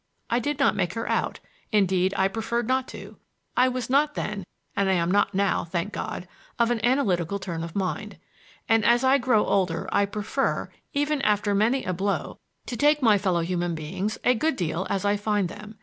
I did not make her out; indeed, I preferred not to! I was not then,—and I am not now, thank God,—of an analytical turn of mind. And as I grow older I prefer, even after many a blow, to take my fellow human beings a good deal as I find them.